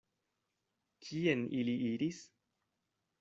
Kien ili iris?